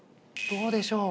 どうでしょう？